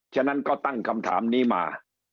ฉะนั้นก็ตั้งคำถามนี้มา